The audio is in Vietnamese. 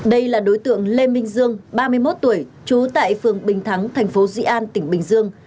đây là đối tượng lê minh dương ba mươi một tuổi trú tại phường bình thắng thành phố dị an tỉnh bình dương